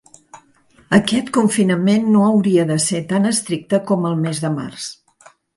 Aquest confinament no hauria de ser tan estricte com al mes de març.